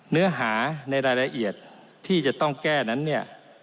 เนื้อหาในรายละเอียดที่จะต้องแก้นั้นเนี่ย